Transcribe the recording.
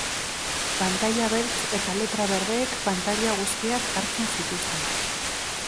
Pantaila beltz eta letra berdeek pantaila guztiak hartzen zituzten.